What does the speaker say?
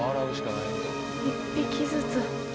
１匹ずつ。